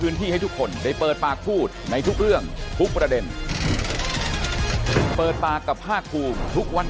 เดี๋ยวผมต้องเชิญท่านพีระพันธ์มา